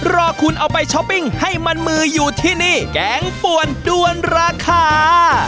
รอคุณเอาไปช้อปปิ้งให้มันมืออยู่ที่นี่แกงป่วนด้วนราคา